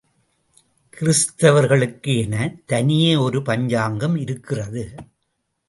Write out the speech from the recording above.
கிறிஸ்துவர்களுக்கு எனத் தனியே ஒரு பஞ்சாங்கம் இருக்கிறது!